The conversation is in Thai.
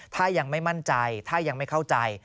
ถ้ายังไม่มั่นใจถ้ายังไม่เข้าใจ